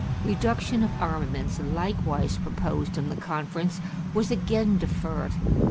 Reduction of armaments, likewise proposed in the conference, was again deferred.